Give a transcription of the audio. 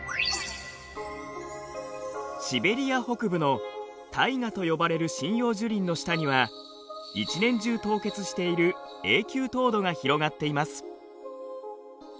シベリア北部のタイガと呼ばれる針葉樹林の下には一年中凍結している永久凍土が広がっています。